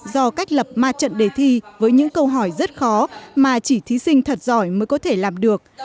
do cách lập ma trận đề thi với những câu hỏi rất khó mà chỉ thí sinh thật giỏi mới có thể làm được